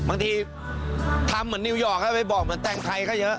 บางทีทำเหมือนนิวยอร์กให้ไปบอกเหมือนแต่งไทยก็เยอะ